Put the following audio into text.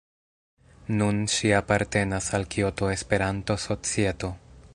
Nun ŝi apartenas al Kioto-Esperanto-Societo.